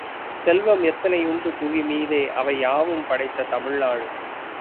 செல்வம் எத்தனையுண்டு புவிமீதே அவை யாவும் படைத்த தமிழ்நாடு